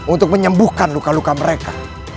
untuk menyembuhkan luka luka mereka